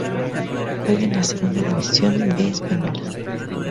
Juega en la Segunda División B española.